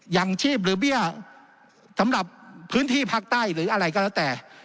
อย่างชีพหรือเบี้ยสำหรับพื้นที่ภาคใต้หรืออะไรก็แล้วแต่